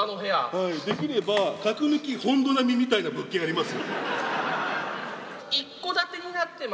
できれば、核抜き本土並みみたいな物件あります？